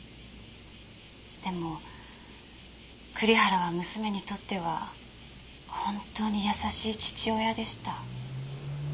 でも栗原は娘にとっては本当に優しい父親でした。